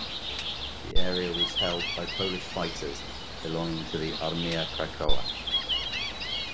The area was held by Polish fighters belonging to the "Armia Krajowa".